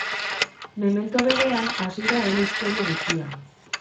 Memento berean, hasi da ene ixtorio guzia.